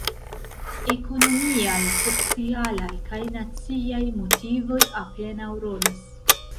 Ekonomiaj, socialaj kaj naciaj motivoj apenaŭ rolis.